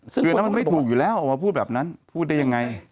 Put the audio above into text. คือนั้นมันไม่ถูกอยู่แล้วออกมาพูดแบบนั้นพูดได้ยังไง